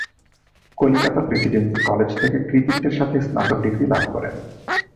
Calcutta presidency college থেকে কৃতিত্বের সাথে স্নাতক ডিগ্রী লাভ করেন।